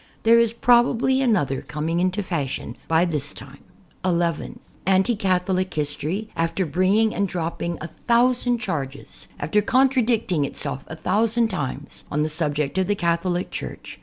There is probably another com ing into fashion by this time. (11) Anti Catholic history, after bringing and drop ping a thousand charges, after contradicting itself a thousand times, on the subject of the Catholic Church.